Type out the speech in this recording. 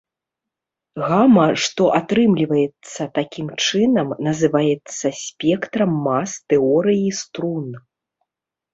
Гама, што атрымліваецца такім чынам, называецца спектрам мас тэорыі струн.